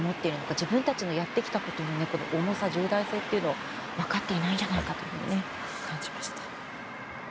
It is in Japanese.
自分たちのやってきたことの重さ、重大性というのを分かっていないんじゃないかと感じました。